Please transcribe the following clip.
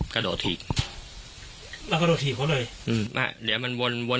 กระโดดถีบเรากระโดดถีบเขาเลยอืมน่ะเดี๋ยวมันวนวน